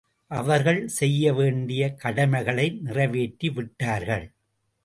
அவர்கள் செய்ய வேண்டிய கடமைகளை நிறைவேற்றி விட்டார்கள்.